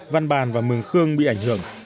văn bàn và mường khương bị ảnh hưởng